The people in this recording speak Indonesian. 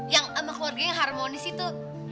yang sama keluarganya harmonis itu